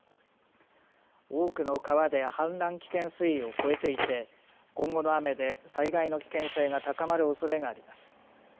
多くの川で氾濫危険水位を超えていて今後の雨で災害の危険性が高まるおそれがあります。